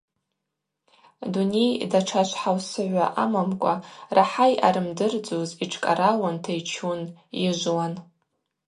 Дуней, датша швхӏаусыгӏва амамкӏва рахӏа йъарымдырдзуз йтшкӏаралуанта йчун, йыжвуан.